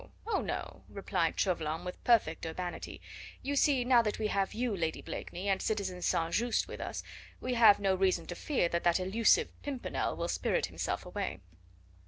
Oh no!" replied Chauvelin with perfect urbanity. "You see, now that we have you, Lady Blakeney, and citizen St. Just with us we have no reason to fear that that elusive Pimpernel will spirit himself away."